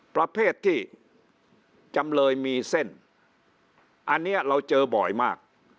ประเภทที่จำเลยมีเส้นอันนี้เราเจอบ่อยมาก